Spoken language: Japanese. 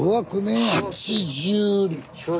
８０。